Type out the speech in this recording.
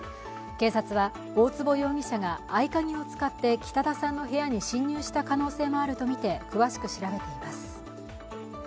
警察は大坪容疑者が合鍵を使って北田さんの部屋に侵入した可能性もあるとみて詳しく調べています。